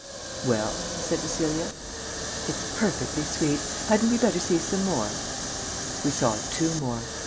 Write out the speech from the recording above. "Well?" I said to Celia. "It's perfectly sweet. Hadn't we better see some more?" We saw two more.